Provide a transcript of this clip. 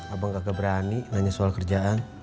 abang gak keberani nanya soal kerjaan